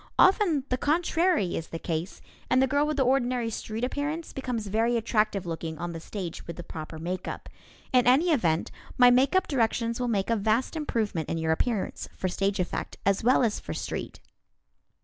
Often the contrary is the case, and the girl with the ordinary street appearance becomes very attractive looking on the stage with the proper makeup. In any event, my makeup directions will make a vast improvement in your appearance for stage effect, as well as for street.